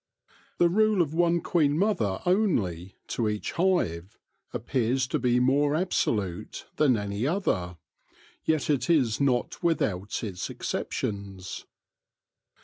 The rule of one queen mother only to each hive appears to be more absolute than any other, yet it is not without its exceptions.